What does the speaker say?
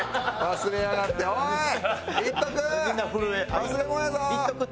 忘れ物やぞ！